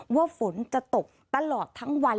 ฝนจะตกตลอดทั้งวัน